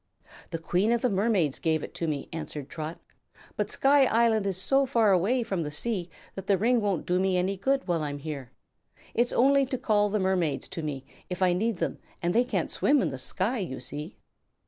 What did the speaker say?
"The Queen of the Mermaids gave it to me," answered Trot; "but Sky Island is so far away from the sea that the ring won't do me any good while I'm here. It's only to call the mermaids to me if I need them, and they can't swim in the sky, you see."